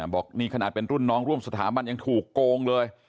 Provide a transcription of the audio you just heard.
บอกนี่ขนาดเป็นรุ่นน้องร่วมสถาบันยังถูกโกงเลย